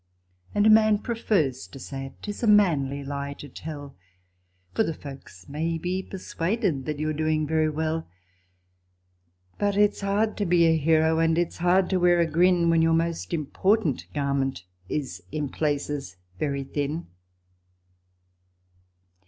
And a man prefers to say it 'tis a manly lie to tell, For the folks may be persuaded that you're doing very well ; But it's hard to be a hero, and it's hard to wear a grin, When your most important garment is in places very thin.